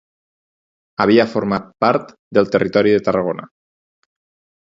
Havia format part del Territori de Tarragona.